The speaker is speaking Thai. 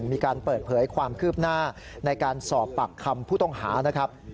มีการเปิดเผยความคืบหน้าในการสอบปากคำผู้ต้องหานะครับ